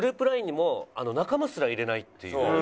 ＬＩＮＥにも仲間すら入れないっていう。